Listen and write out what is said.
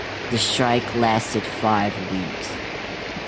The strike lasted five weeks.